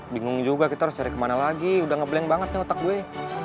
bingung juga kita harus cari kemana lagi udah ngeblank banget nih otak gue